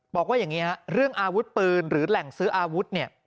บอกว่าอย่างนี้ฮะเรื่องอาวุธปืนหรือแหล่งซื้ออาวุธเนี่ย